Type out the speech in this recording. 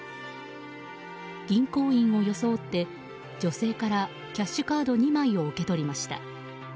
銀行員を装って、女性からキャッシュカード２枚を受け取りました。